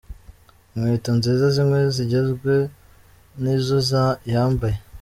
Inkweto nziza zimwe zigezwe nizo yambaye.